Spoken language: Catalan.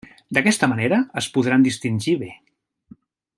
D'aquesta manera es podran distingir bé.